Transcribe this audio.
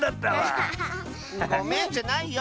ごめんじゃないよ！